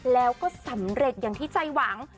แล้วก็สำเร็จอย่างที่ใจหวัง